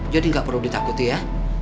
jadi gak perlu ditakuti ya